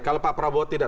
kalau pak prabowo tidak